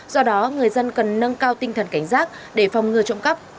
do đó người dân cần nâng cao tinh thần cảnh giác để phòng ngừa trộm cắp